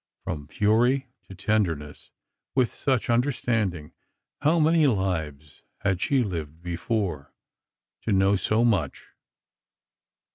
From fury to tenderness, with such understanding; how many lives had she lived before, to know so much!